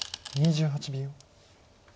２８秒。